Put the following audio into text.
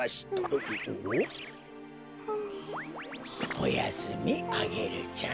おやすみアゲルちゃん。